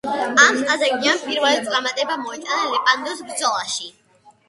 ამ სტრატეგიამ პირველი წარმატება მოიტანა ლეპანტოს ბრძოლაში.